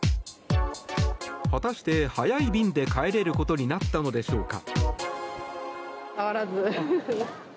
果たして早い便で帰れることになったのでしょうか。